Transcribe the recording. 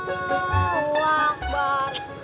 allah hu akbar